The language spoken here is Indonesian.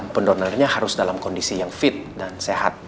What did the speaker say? pendonornya harus dalam kondisi yang fit dan sehat